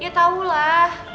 ya tau lah